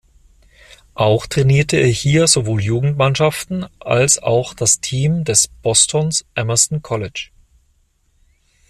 Auch trainierte er hier sowohl Jugendmannschaften als auch das Team des Bostons Emerson College.